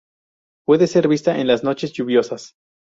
Puede ser vista en las noches lluviosas.